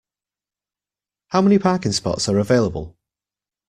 How many parking spots are available?